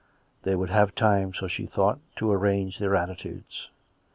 They would have time, so she thought, to arrange their attitudes.